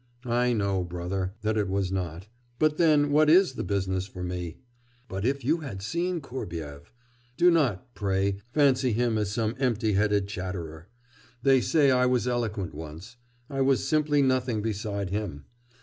'I know, brother, that it was not; but, then, what is the business for me? But if you had seen Kurbyev! Do not, pray, fancy him as some empty headed chatterer. They say I was eloquent once. I was simply nothing beside him.